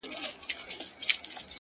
وخت د سمو پرېکړو ارزښت زیاتوي,